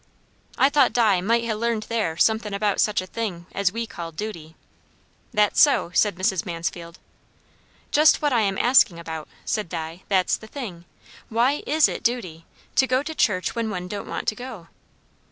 "I thought Di might ha' learned there something about such a thing as we call duty." "That's so," said Mrs. Mansfield. "Just what I am asking about," said Di. "That's the thing. Why is it duty, to go to church when one don't want to go?"